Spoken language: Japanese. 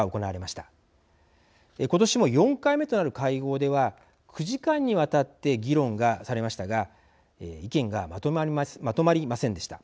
今年も４回目となる会合では９時間にわたって議論がされましたが意見がまとまりませんでした。